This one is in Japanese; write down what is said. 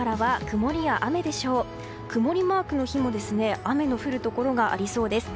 曇りマークの日も雨の降るところがありそうです。